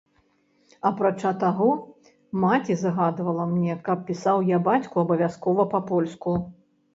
Апрача таго, маці загадвала мне, каб пісаў я бацьку абавязкова па-польску.